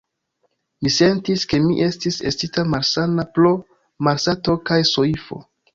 Mi sentis, ke mi estis estinta malsana pro malsato kaj soifo.